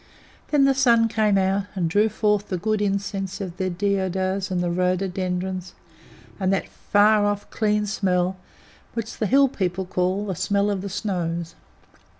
Then the sun came out, and drew forth the good incense of the deodars and the rhododendrons, and that far off, clean smell which the Hill people call "the smell of the snows."